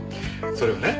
それがね